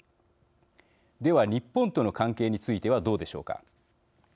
では、日本との関係についてはどうでしょうか。